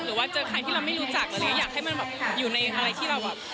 หรือว่าเจอใครที่เราไม่รู้จักหรืออยากให้มันแบบอยู่ในอะไรที่เราอ่ะ